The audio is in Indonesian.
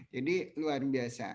jadi luar biasa